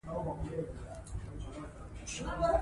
ازادي راډیو د کډوال په اړه څېړنیزې لیکنې چاپ کړي.